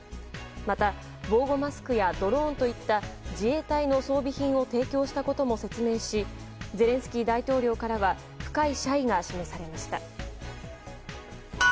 また、防護マスクやドローンといった自衛隊の装備品を提供したことも説明しゼレンスキー大統領からは深い謝意が示されました。